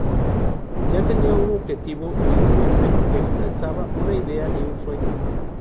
Ya tenía un objetivo y un nombre, expresaba una idea y un sueño.